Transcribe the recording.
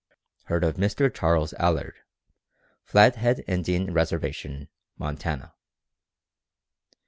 _Herd of Mr. Charles Allard, Flathead Indian Reservation, Montana.